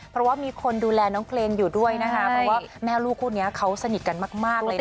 เพราะว่ามีคนดูแลน้องเพลงอยู่ด้วยนะคะเพราะว่าแม่ลูกคู่นี้เขาสนิทกันมากเลยนะคะ